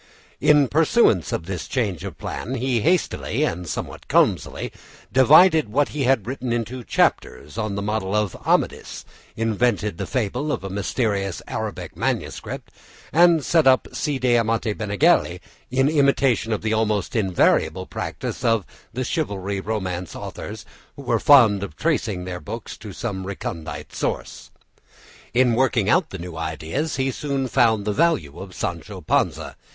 In pursuance of this change of plan, he hastily and somewhat clumsily divided what he had written into chapters on the model of "Amadis," invented the fable of a mysterious Arabic manuscript, and set up Cide Hamete Benengeli in imitation of the almost invariable practice of the chivalry romance authors, who were fond of tracing their books to some recondite source. In working out the new ideas, he soon found the value of Sancho Panza.